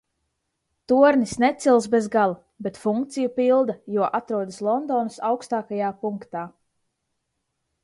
Tornis necils bez gala, bet funkciju pilda, jo atrodas Londonas augstākajā punktā.